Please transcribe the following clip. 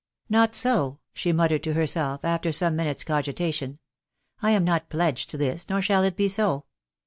" Not so !" she muttered to herself, after some minutes* cogitation. iC I am not pledged to this> nor shall it be so.